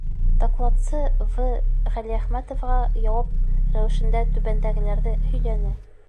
Докладсы В.Ғәлиәхмәтоваға яуап рәүешендә түбәндәгеләрҙе һөйләне.